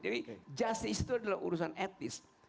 jadi justice itu adalah urusan etis